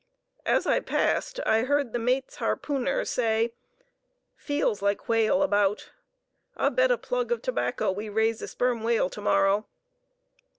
As I passed I heard the mate's harpooner say, "Feels like whale about. I bet a plug (of tobacco) we raise sperm whale to morrow."